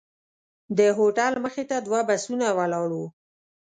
د هوټل مخې ته دوه بسونه ولاړ وو.